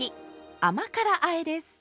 甘辛あえです。